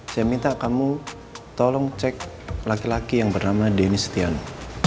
saya minta kamu tolong cek laki laki yang bernama denny setiano